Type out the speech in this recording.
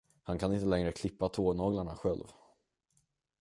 Han kan inte längre klippa tånaglarna själv.